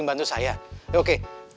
sampai jumpa diukan itu